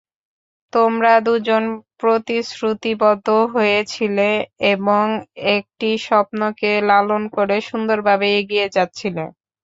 তোমরা দুজন প্রতিশ্রুতিবদ্ধ হয়েছিলে এবং একটি স্বপ্নকে লালন করে সুন্দরভাবে এগিয়ে যাচ্ছিলে।